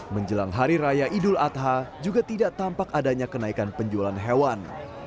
menjelang hari raya idul adha juga tidak tampak adanya kenaikan penjualan hewan